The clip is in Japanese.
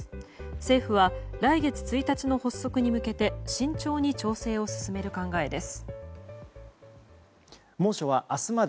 政府は来月１日の発足に向けて慎重に調整を進める考えです。